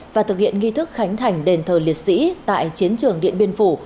và thực hiện nghi thức khánh thành đền thờ liệt sĩ tại chiến trường điện biên phủ